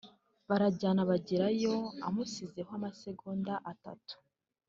barajyana bagerayo amusizeho amasegonda atatu